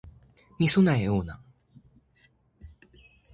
mi sona e ona.